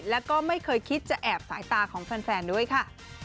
แล้วก็ไม่เคยคิดจะแอบสายตาของแฟนด้วยค่ะ